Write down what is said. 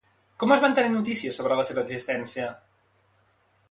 Com es van tenir notícies sobre la seva existència?